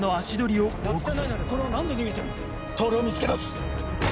透を見つけ出す！